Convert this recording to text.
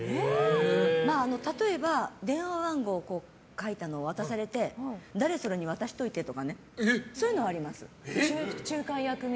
まあ、例えば電話番号を書いたのを渡されて誰それに渡しといてとかねそういうのはあります。